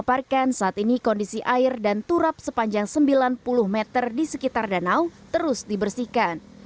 air dan turap sepanjang sembilan puluh meter di sekitar danau terus dibersihkan